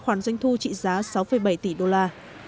với mức thu trị giá sáu bảy tỷ đô la